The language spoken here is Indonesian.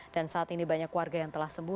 dan saat ini banyak keluarga yang telah sembuh